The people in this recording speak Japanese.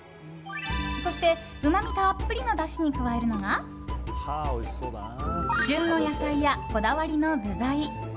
そして、うまみたっぷりのだしに加えるのが旬の野菜やこだわりの具材。